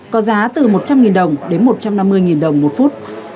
có giá từ một trăm linh đồng đến một trăm năm mươi đồng một phút